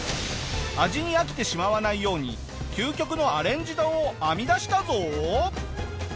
味に飽きてしまわないように究極のアレンジ丼を編み出したぞ！